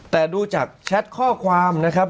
แต่ดูจากแชทข้อความนะครับ